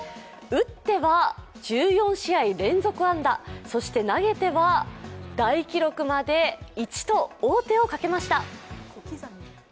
打っては１４試合連続安打、そして投げては大記録まで１と王手をかけました。